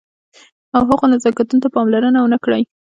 او هغو نزاکتونو ته پاملرنه ونه کړئ.